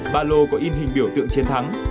ba lô có in hình biểu tượng chiến thắng